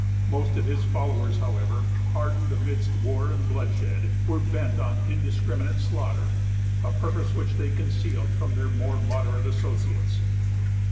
Most of his followers, however, hardened amidst war and bloodshed, were bent on indiscriminate slaughter; a purpose which they concealed from their more moderate associates.